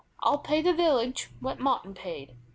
I'll pay the village what Martin paid."